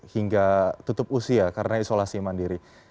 hingga tutup usia karena isolasi mandiri